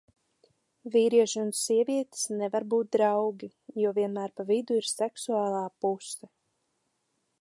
Vīrieši un sievietes nevar būt draugi, jo vienmēr pa vidu ir seksuālā puse.